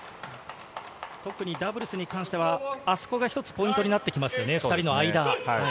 特にダブルスに関しては、あそこが一つポイントになってきますね、２人の間。